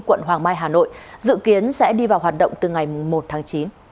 quận hoàng mai hà nội dự kiến sẽ đi vào hoạt động từ ngày một tháng chín